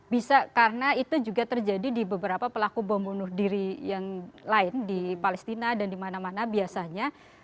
bisa karena itu juga terjadi di beberapa pelaku bom bunuh diri yang lain di palestina dan di mana mana biasanya